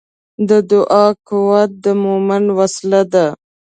د دعا قوت د مؤمن وسله ده.